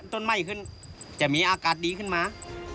ไหม้ขึ้นจะมีอากาศดีขึ้นมา